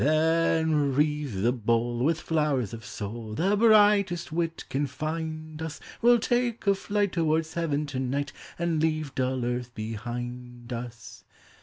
Then wreathe the bowl With flowers of soul, The brightest wit can find us; We'll take a flight Towards heaven to night, And leave dull earth behind us!